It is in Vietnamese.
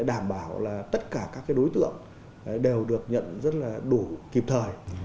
đảm bảo tất cả các đối tượng đều được nhận rất đủ kịp thời